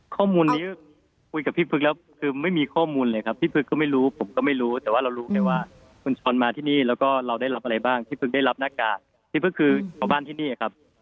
ข้อมูลนี้คุยกับพี่พึกแล้วคือไม่มีข้อมูลเลยครับพี่พึกก็ไม่รู้ผมก็ไม่รู้แต่ว่าเรารู้ไงว่าคุณช้อนมาที่นี่แล้วก็เราได้รับอะไรบ้างที่พึกได้รับหน้ากากที่พึกคือชาวบ้านที่นี่ครับ